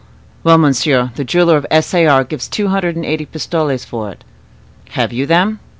"Well, monsieur, the jeweler of S. A. R. gives two hundred and eighty pistoles for it." "Have you them?"